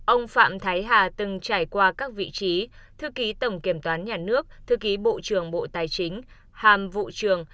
ông phạm thái hà từng trải qua các vị trí thư ký tổng kiểm toán nhà nước thư ký bộ trưởng bộ tài chính hàm vụ trường